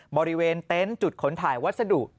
บริเวณเต็นต์จุดขนถ่ายวัสดุ